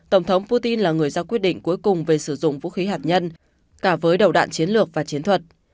tổng thống putin là người ra quyết định cuối cùng về sử dụng vũ khí hạt nhân cả với đầu đạn chiến lược và chiến thuật